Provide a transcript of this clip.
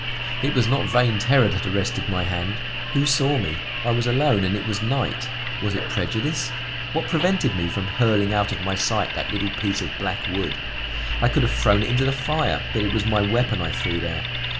It was not vain terror that arrested my hand. Who saw me? I was alone and it was night. Was it prejudice? What prevented me from hurling out of my sight that little piece of black wood? I could have thrown it into the fire, but it was my weapon I threw there.